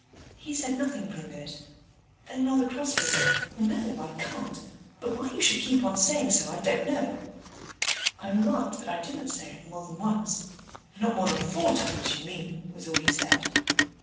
He said nothing for a minute: then rather crossly, "No, I can't; but why you should keep on saying so I don't know." I remarked that I didn't say it more than once. "Not more than four times, you mean," was all he said.